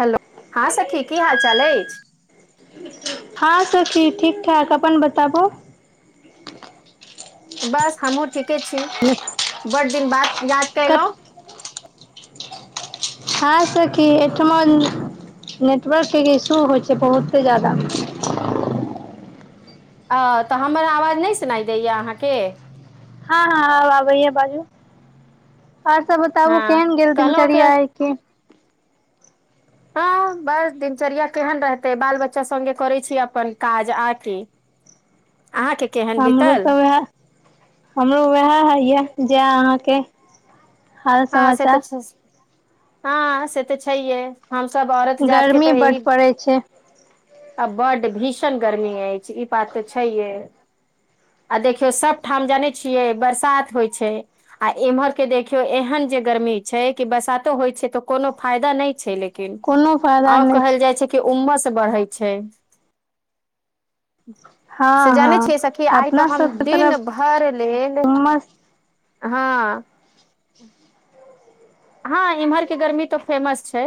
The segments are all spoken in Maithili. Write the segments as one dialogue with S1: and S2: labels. S1: हेलो, हँ सखी की हाल चाल अछि।
S2: हँ सखी ठीक-ठाक, अपन बताबू। [unintelligible]
S1: बस हमहु ठीके छी।
S2: [inaudible]
S1: बड दिन बाद याद कय
S2: कत
S1: लौं।
S2: हा सखी एहिठमा नेटवर्क के इशू होइ छै बहुते जादा।
S1: ओ तऽ हमर आवाज नै सुनाई दै यै अहाँके?
S2: हां-हां आब आबै यै बाजू और सब बताबु
S1: हँ
S2: केहेन गेल
S1: कहलहुँ के
S2: दिनचर्या आय ठीक।
S1: [unintelligible] बस दिनचर्या केहेन रहतै, बाल-बच्चा संगे करै छी अपन काज आर की अहाँ के
S2: हमरो तऽ वैह हमरो वहै हय यै जे अहाँके हाल
S1: हां से तऽ
S2: समाचार
S1: छै हां से तै छहियै। हम सब औरत जात के
S2: गर्मी
S1: तै
S2: बड
S1: यही
S2: पड़ै छै
S1: आ बड्ड भीषण गर्मी ऐछ ई बात तऽ छहिए आ देखियौ सब ठाम जाने छियै बरसात होय छै आ इम्हर के देखियौ एहे हन जे गर्मी छै कि बरसातो होय छै तो कोनो फायदा नै छै लेक किन
S2: कोनो फायदा
S1: आव
S2: नहि
S1: कहल जाए छै कि उम्स बढ़ै छै। से
S2: हँ हँ
S1: जानै छियै सखी आय तऽ
S2: अपना
S1: हम
S2: सबके तरफ
S1: दिन भर लेल
S2: उमस
S1: हां। हां इम्हर के गर्मी तो फेमस छै,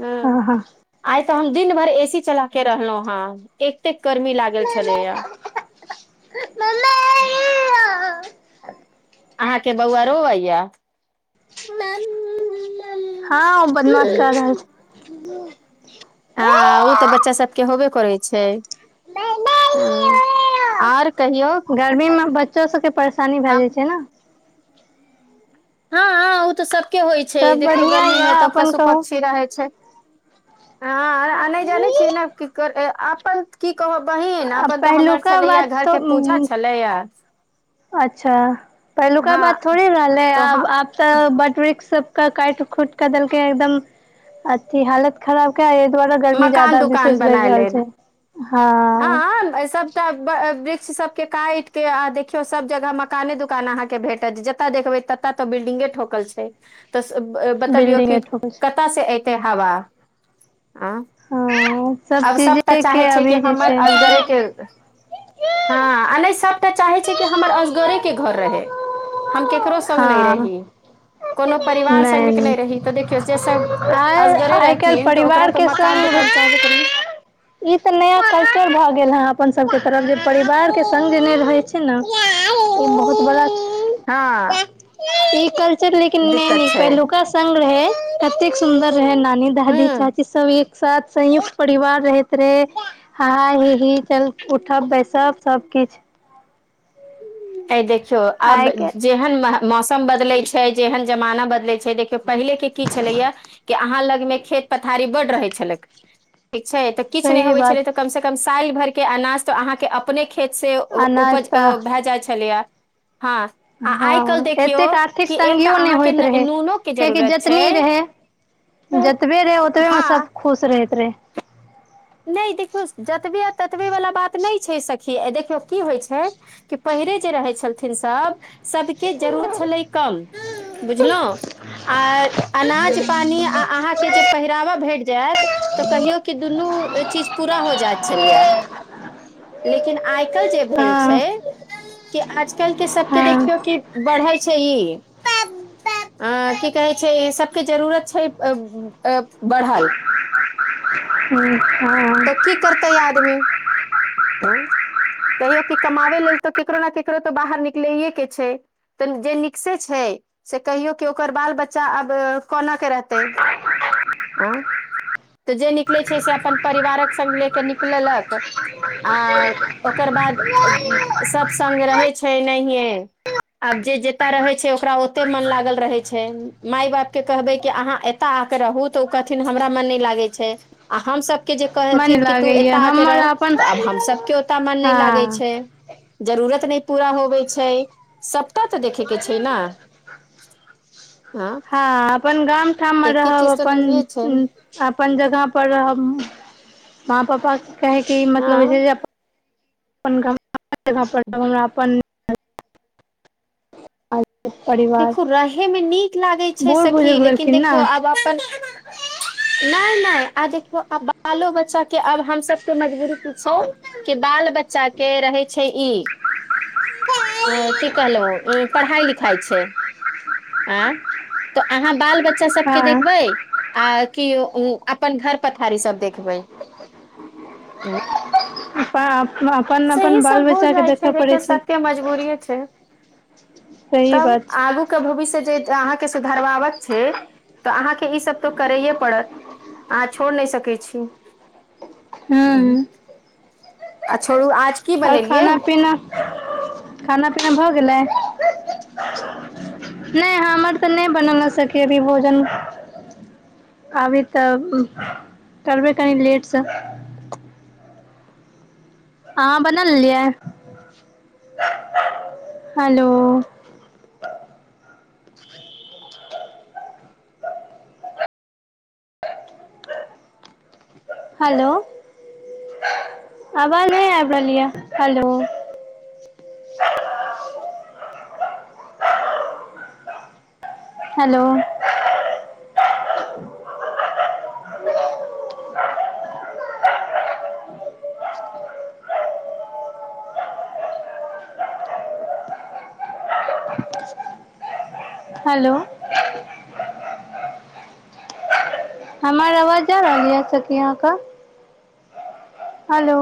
S1: ऐ
S2: हँ
S1: आय तऽ हम दिन भर ए सी चला के रहलौं हें एतेक गर्मी लागल छलै यै।
S2: मम्मी एया
S1: अहाँ के बौआ रोवै य
S2: हां बदमाशी कै रहल छै।
S1: हां उ तऽ बच्चा सबके होबे करै छै। आ और कहियौ
S2: गर्मी में बच्चो सबके परेशानी भै
S1: हम
S2: जाए छै नै।
S1: हां-हां उ तै सबके होय छै,
S2: सब
S1: देखियौ
S2: बढ़िया
S1: गर्मी मे
S2: यए
S1: तऽ
S2: अपन कहू
S1: पशु-पक्षी रहै छै। हां आर आ नै जानै छियै नै की कर ए अप्पन की कहब बहिन
S2: आ
S1: अपन तऽ हमर
S2: पहिलुका
S1: छलै यै
S2: बात
S1: घर के पूजा
S2: तऽ
S1: छलै यै
S2: अच्छा पहिलुका बात
S1: हँ
S2: थोड़ी रहलै
S1: तो ह
S2: आब-आब सब बट वृक्ष सब के काइट-खुट कऽ देलकै हें एकदम अथी हालत खराब कै ऐ दुआरे गर्मी
S1: मकान
S2: ज्यादा विशेष बढ़ रहल छै। हँ
S1: हाँ ए सब तब वृक्ष सबके काइट के आ देखियौ सब जगह मकाने दुकान अहाँके भेटय छै जतऽ देखबै त ततऽ बिल्डिंगे ठोकल छै तऽ स अ बतबियौ की
S2: बिल्डिंगे ठोकै छै
S1: कता से ऐतै हवा आं
S2: हां सब चीजे के
S1: छै कि
S2: अभी जे
S1: हमर
S2: छै
S1: हां आ नै सब तऽ चाहे छै कि हमर असगरे के घर रहै, हम केकरो संग नै
S2: हँ
S1: रही कोनो परिवार संगे क नै
S2: नहि
S1: रही तऽ देखियौ से सब
S2: आइ
S1: असगरे
S2: आइ काल्हि
S1: रहथिन तऽ ओकरा
S2: परिवार
S1: तऽ
S2: के
S1: मकान-दुकान चाहबे करी
S2: संग ई तऽ नया कल्चर भै गेल हें अपन सबके तरफ जे परिवार के संग जे नै रहै छै छै नै ई बहुत बड़ा
S1: हाँ।
S2: ई कल्चर लेकिन नै नीक,
S1: छै
S2: पहिलुका संग रहै कतेक सुन्दर रहै नानी
S1: हूँ
S2: दादी, चाची सब एक साथ संयुक्त परिवार रहैत रहे हा-हा, ही-ही चल उठब-बैसब सबकिछ।
S1: ए देखियौ आब
S2: आइ के
S1: जेहन मह मौसम बदलै छै जेहन जमाना बदलै छै देखियौ पहिले के की छलैया कि अहाँ लग में खेत-पथारी बड रहै छलैक। ठीक छै तऽ किछ नै
S2: सही
S1: होवै छलै
S2: बात
S1: तऽ कम सँ कम सैल भरके अनाज तऽ अहाँके अप अपने खेत से
S2: आ
S1: ओ उपज
S2: नास्ता
S1: ओ भए जाइ छलैया हाँ।
S2: हँ एतेक आर्थिक तंगियो नै
S1: अहाँके
S2: होइत
S1: न-
S2: रहैय
S1: नूनो के
S2: कियैकि
S1: जरूरत छै
S2: जतनी रहैय जतबे रहैय ओतबेमे
S1: हँ
S2: सब खुश रहैत रहै।
S1: नै देखियौ जतबे आ ततबे वला बात नै छैय सखी देखियौ की होय छैय कि पहिरे जे रहैय छलथिन सब सदके जरूरत छलय कम बुझलौं। आ अनाज-पानी आ अहाँके जे पहिरावा भेट जैत तऽ कहियो कि दुनु चीज पुरा हो जाय छलैयै। लेकिन आइ-कल जे भेल
S2: हँ
S1: छैय कि आज-कल के सबके देखियौ
S2: हँ
S1: कि बढ़ै छैय इ। अ की कहैय छैय सबके जरूरत छैय अब-अ बढ़ल।
S2: हूं
S1: तऽ
S2: हँ।
S1: की करतै आदमी।
S2: [inaudible]
S1: कहियो कि कमाबे लेल तऽ केकरो ना केकरो तऽ बाहर निकलैये के छैय। तऽ जे निक्से छैय से कहियौ कि ओकर बाल-बच्चा आब कोना के रहतै। आं तऽ जे निकलैय छैय से अपन परिवारक संग ले कऽ निकललक आ ओकर बाद सब संग रहैय छैय नैहे। आब जे जेतऽ रहैय छैय ओकरा ओते मन लागल रहैय छैय माय-बाप के कहबै की अहाँ ए एता आके रहु तऽ उ कहथिन हमरा मन नै लागै छैय आ हमसब के जे
S2: मन
S1: कहथिन कि तु
S2: लागैया
S1: एता आके
S2: हमर
S1: रह
S2: अपन
S1: तऽ आब हम सबके ओतऽ मन नै लागै
S2: हँ
S1: छैय। जरूरत नै पुरा होबैय छैय सबटा तऽ देखेके छैय न। हां।
S2: आ अपन गाम-ठाम में रहब अपन
S1: नहिए छै
S2: अंन आपन जगह पर रहब माँ-पापा के कहैके इ मतलब
S1: हँ
S2: होय छैय जे अप्प पन गम [unintelligible] जगहपर रहब हमरा अपन परिवार
S1: देखु रहयमे नीक लागैय छैय
S2: बूढ़
S1: सखी
S2: बुजुर्ग
S1: लेकिन
S2: भेलखिन
S1: देखियौ
S2: ने
S1: आब अपन नै नै आ देखियौ आ बालो-बच्चा के आब हमसबके मजबुरी पुछौ के दाल-बच्चा के रहैय छैय इ। हँ की कहलौ उम्म पढ़ाई-लिखाई छैय एं तऽ अहाँ बाल-बच्चा सबके
S2: हँ
S1: देखबैय आ कि ओ उ अपन घर पथारी सब देखबैय।
S2: पा अपन-अपन बाल-बच्चा के देखऽ पड़ैय छैय
S1: [unintelligible] मजबुरिये छैय
S2: सही
S1: तब
S2: बात छै
S1: आगू क भविष्य जे अहाँके सुधारवाबक छैय तऽ अहाके इ सब तो करैये पड़त। अहां छोड़ नै सकैय छी।
S2: हुं।
S1: आ छोड़ू आज की
S2: और
S1: बनेलियै
S2: खाना-पीना खाना-पीना भऽ गेलैय? नै हमर तऽ नै बनल अ सखी अभी भोजन। अभी तब करबै करेंगे लेट स। आहा बना लेलिए। हेलो। हेलो! आवाज नै आइब रहलेये हेलो। हेलो। हेलो। हमर अवाज जा रहल यै सखी आहा क। हेलो।